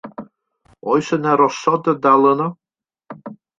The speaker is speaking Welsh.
Oes yna rosod yn dal yno?